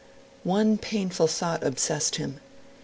One painful thought obsessed him.